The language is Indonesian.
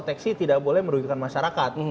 deteksi tidak boleh merugikan masyarakat